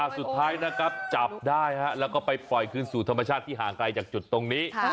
สุดท้ายนะครับจับได้แล้วก็ไปปล่อยคืนสู่ธรรมชาติที่ห่างไกลจากจุดตรงนี้